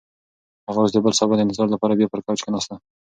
هغه اوس د بل سبا د انتظار لپاره بیا پر کوچ کښېناسته.